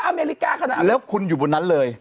อเมริกาขนาดนั้นแล้วคุณอยู่บนนั้นเลย